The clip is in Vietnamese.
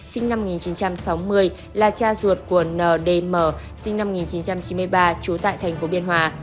sinh năm một nghìn chín trăm sáu mươi là cha ruột của ndm sinh năm một nghìn chín trăm chín mươi ba trú tại thành phố biên hòa